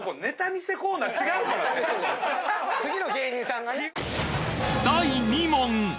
次の芸人さんがね。